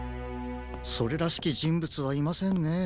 それらしきじんぶつはいませんねえ。